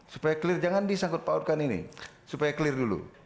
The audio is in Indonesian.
supaya clear jangan disangkut pautkan ini supaya clear dulu